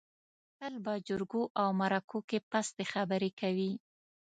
تل په جرګو او مرکو کې پستې خبرې کوي.